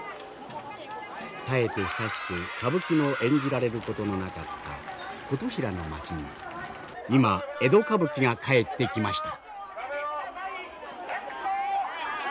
絶えて久しく歌舞伎の演じられることのなかった琴平の町に今江戸歌舞伎が帰ってきました。